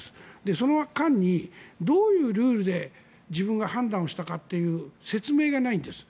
その間にどういうルールで自分が判断したかという説明がないんです。